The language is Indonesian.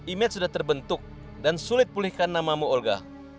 image sudah terbentuk dan sulit pulihkan namamu olga